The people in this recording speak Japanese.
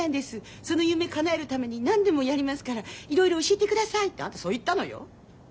その夢かなえるために何でもやりますからいろいろ教えてください」ってあんたそう言ったのよ。